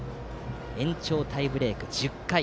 延長タイブレーク１０回。